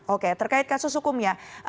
oke terkait kasus hukumnya